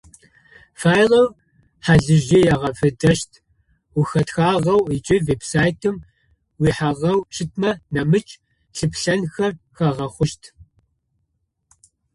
Файлэу хьалыжьый агъэфедэщт, ухэтхагъэу ыкӏи веб-сайтым уихьагъэу щытмэ, нэмыкӏ лъыплъэнхэр хагъэхъощт.